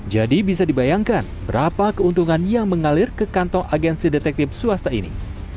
jadi bisa dibayangkan berapa keuntungan yang mengalir ke kantong agensi detektif swasta ini